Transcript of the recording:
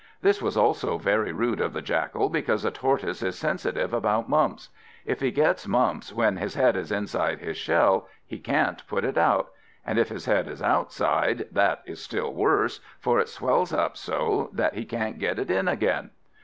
This was also very rude of the Jackal, because a Tortoise is sensitive about mumps. If he gets mumps when his head is inside his shell, he can't put it out; and if his head is outside, that is still worse, for it swells up so that he can't get it in again.